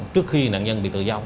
trước khi nạn nhân bị tự do